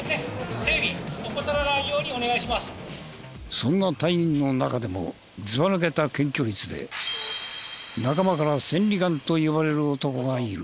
そんな隊員の中でもずばぬけた検挙率で仲間から「千里眼」と呼ばれる男がいる。